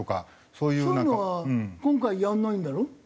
そういうのは今回やらないんだろ？